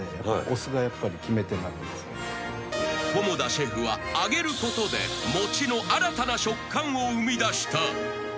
［菰田シェフは揚げることで餅の新たな食感を生みだした］